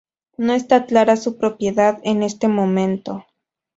No está clara su propiedad en este momento.